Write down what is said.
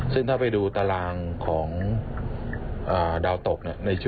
ซึ่งถ้าไปดูตารางของดาวตก